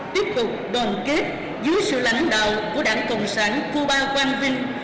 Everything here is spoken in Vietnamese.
tiếp tục đoàn kết dưới sự lãnh đạo của đảng cộng sản cuba quang vinh